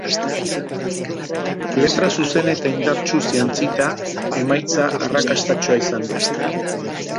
Letra zuzen eta indartsuz jantzita, emaitza arrakastatsua izan du.